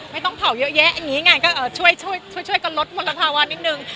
ไม่ต้องเผาเยอะแยะนี่ไงก็ช่วยกลดมรภาวะนิดนึง